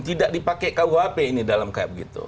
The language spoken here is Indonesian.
tidak dipakai kuhp ini dalam kuhp